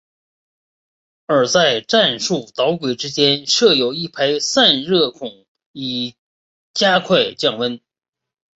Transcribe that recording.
而在战术导轨之间设有一排散热孔以加快降温。